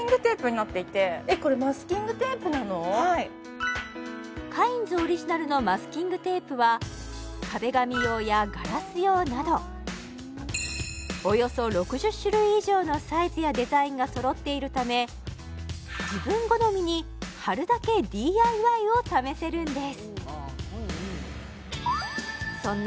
はいカインズオリジナルのマスキングテープは壁紙用やガラス用などおよそ６０種類以上のサイズやデザインがそろっているため自分好みに貼るだけＤＩＹを試せるんですそんな